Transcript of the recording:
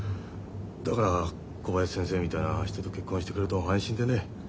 だから小林先生みたいな人と結婚してくれると安心でね。